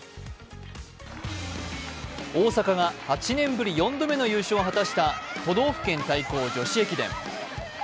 大阪が８年ぶり４度目の優勝を果たした都道府県対抗女子駅伝。